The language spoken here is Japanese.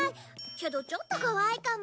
けどちょっと怖いかも。